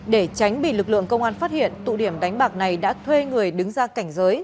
để tránh bị lực lượng công an phát hiện tụ điểm đánh bạc này đã thuê người đứng ra cảnh giới